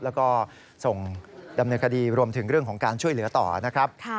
แล้วก็ส่งดำเนินคดีรวมถึงเรื่องของการช่วยเหลือต่อนะครับ